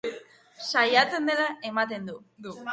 Saiatzen dela ematen du.